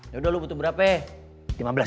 yaudah lu butuh berapa ya